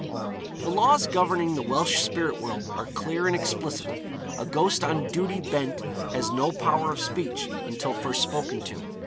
The laws governing the Welsh spirit world are clear and explicit. A ghost on duty bent has no power of speech until first spoken to.